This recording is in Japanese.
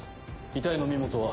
遺体の身元は？